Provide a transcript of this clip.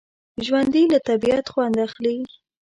ژوندي له طبعیت خوند اخلي